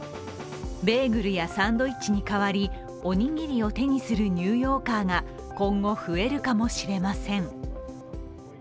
ベーグルやサンドイッチに代わりおにぎりを手にするニューヨーカーが今後増えるかもしれません。